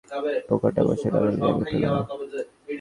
পোকাটা বসার আর জায়গা পেল না!